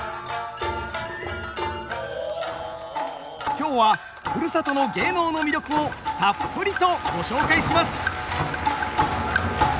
今日はふるさとの芸能の魅力をたっぷりとご紹介します。